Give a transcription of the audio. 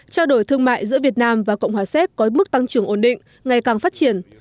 trao đổi thương mại giữa việt nam và cộng hòa séc có mức tăng trưởng ổn định ngày càng phát triển